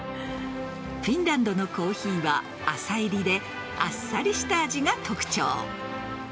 フィンランドのコーヒーは浅いりであっさりした味が特徴。